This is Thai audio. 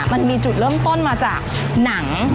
มันมีจุดเริ่มต้นมาจากหนัง